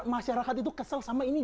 masyarakat itu kesel sama ini